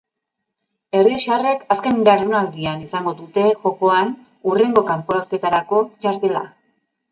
Errioxarrek azken jardunaldian izango dute jokoan hurrengo kanporaketarako txartela.